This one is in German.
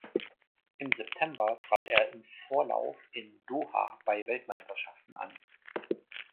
Im September trat er im Vorlauf in Doha bei Weltmeisterschaften an.